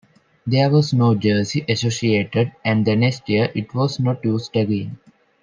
There was no jersey associated, and the next year it was not used again.